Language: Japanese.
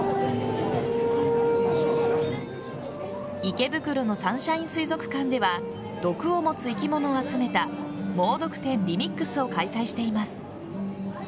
池袋のサンシャイン水族館では毒を持つ生き物を集めた「もうどく展ＲｅＭｉｘ」を開催しています。